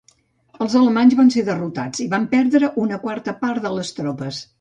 Els alemanys van ser derrotats i van perdre una quarta part de les tropes.